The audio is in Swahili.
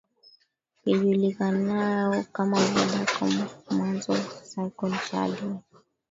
yajulikanao kama vodacom mwanza cycle challenge